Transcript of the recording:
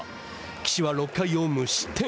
岸は６回を無失点。